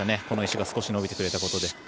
この石が少し伸びてくれたことで。